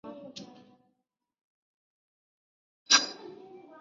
圣朱利安德克朗普斯。